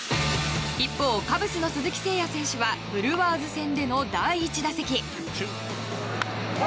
一方、カブスの鈴木誠也選手はブルワーズ戦での第１打席。